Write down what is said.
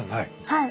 はい。